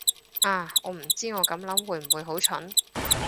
啊，我唔知我咁諗會唔會好蠢